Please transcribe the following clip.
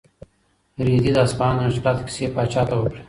رېدي د اصفهان د مشکلاتو کیسې پاچا ته وکړې.